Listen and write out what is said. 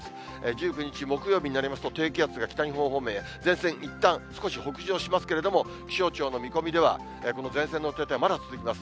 １９日木曜日になりますと、低気圧が北日本方面へ、前線、いったん、少し北上しますけれども、気象庁の見込みでは、この前線の停滞、まだ続きます。